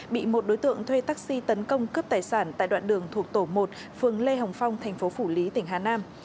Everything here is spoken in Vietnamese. bị một đối tượng thuê taxi tấn công cướp tài sản tại đoạn đường thuộc tổ một phường lê hồng phong thành phố phủ lý tỉnh hà nam